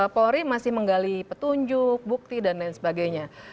polri masih menggali petunjuk bukti dan lain sebagainya